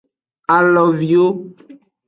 Aloviwo.